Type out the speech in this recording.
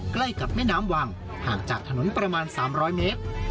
ใกล้กับแม่น้ำวังห่างจากถนนประมาณ๓๐๐เมตร